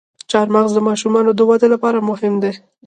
چارمغز د ماشومانو د ودې لپاره مهم دی.